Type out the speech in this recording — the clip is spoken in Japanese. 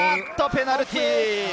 ペナルティー！